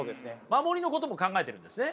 守りのことも考えてるんですね。